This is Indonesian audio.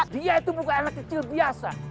dia itu bukan anak kecil biasa